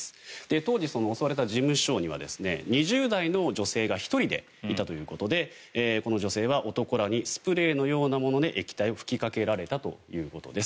当時、襲われた事務所には２０代の女性が１人でいたということでこの女性は男らにスプレーのようなもので液体を吹きかけられたということです。